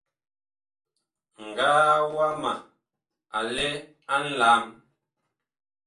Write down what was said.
Ŋgaa wama a lɛ a nlam.